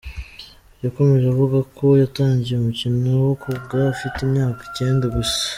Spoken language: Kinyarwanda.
Yakomeje avugako yatangiye umukino wo koga afite imyaka icyenda gusa.